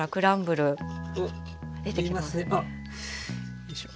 よいしょ。